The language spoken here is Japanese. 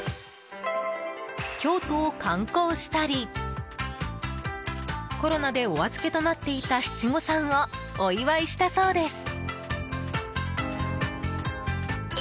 京都を観光したりコロナでお預けとなっていた七五三をお祝いしたそうです。